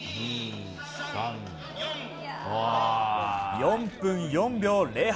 ４分４秒０８。